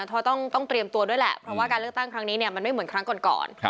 เพราะต้องเตรียมตัวด้วยแหละเพราะว่าการเลือกตั้งครั้งนี้มันไม่เหมือนครั้งก่อน